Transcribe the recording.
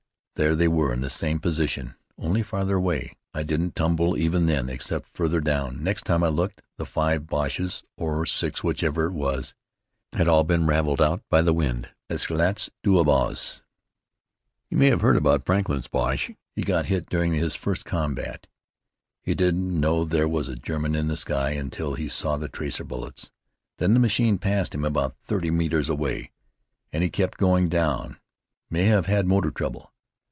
There they were in the same position, only farther away. I didn't tumble even then, except farther down. Next time I looked, the five Boches, or six, whichever it was, had all been raveled out by the wind. Éclats d'obus." "You may have heard about Franklin's Boche. He got it during his first combat. He didn't know that there was a German in the sky, until he saw the tracer bullets. Then the machine passed him about thirty metres away. And he kept going down: may have had motor trouble.